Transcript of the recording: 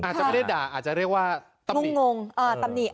อาจจะไม่ได้ด่าอาจจะเรียกว่าตำงงตำหนิ